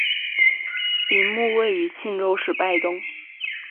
陵墓位于庆州市拜洞。